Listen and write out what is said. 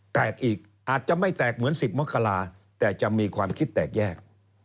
แตกอีกอาจจะไม่แตกเหมือน๑๐มกราแต่จะมีความคิดแตกแยก